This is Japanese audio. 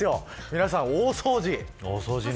皆さん、大掃除。